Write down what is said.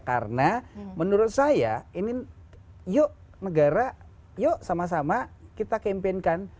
karena menurut saya ini yuk negara yuk sama sama kita kempenkan